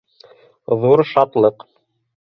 Ҙур шатлыҡ